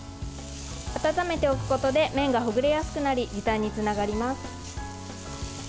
温めておくことで麺がほぐれやすくなり時短につながります。